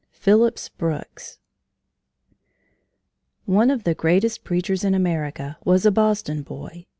PHILLIPS BROOKS One of the greatest preachers in America was a Boston boy.